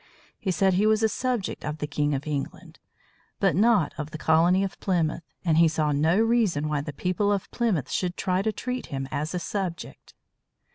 He said he was a subject of the King of England, but not of the colony of Plymouth, and he saw no reason why the people of Plymouth should try to treat him as a subject.